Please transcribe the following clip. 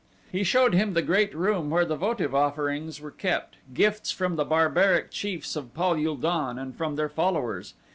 He showed him the great room where the votive offerings were kept, gifts from the barbaric chiefs of Pal ul don and from their followers.